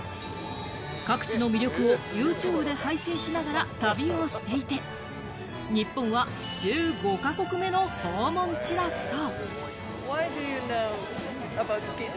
各地の魅力をユーチューブで配信しながら旅をしていて、日本は１５か国目の訪問地だそう。